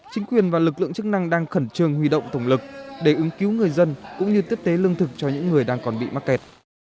chính quyền và lực lượng chức năng đang khẩn trương huy động thổng lực để ứng cứu người dân cũng như tiếp tế lương thực cho những người đang còn bị mắc kẹt